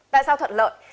tại sao thuận lợi